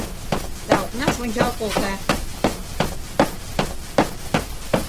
Да окнаш ончал колта.